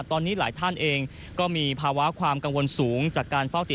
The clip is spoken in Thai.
ตอนนี้หลายท่านเองก็มีภาวะความกังวลสูงจากการเฝ้าติด